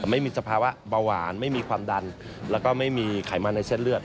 ไม่มีสภาวะเบาหวานไม่มีความดันแล้วก็ไม่มีไขมันในเส้นเลือด